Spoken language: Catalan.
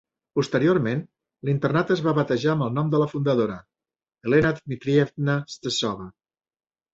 Posteriorment l'internat es va batejar amb el nom de la fundadora Elena Dmitrievna Stasova.